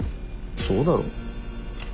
そうだろ？